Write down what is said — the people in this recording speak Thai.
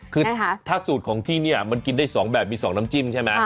คือถ้าสูตรของที่นี่มันกินได้๒แบบมี๒น้ำจิ้มใช่ไหม